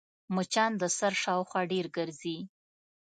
مچان د سر شاوخوا ډېر ګرځي